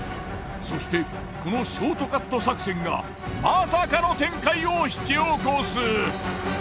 そしてこのショートカット作戦がまさかの展開を引き起こす！